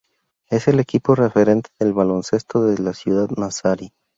Es el equipo referente del baloncesto de la ciudad nazarí.